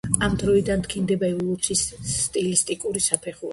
ამ დროიდან დგინდება ევოლუციის სტილისტიკური საფეხურები.